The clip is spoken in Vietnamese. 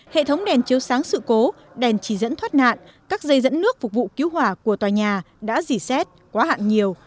hệ thống đèn chiếu sáng sự cố đèn chỉ dẫn thoát nạn các dây dẫn nước phục vụ cứu hỏa của tòa nhà đã dỉ xét quá hạn nhiều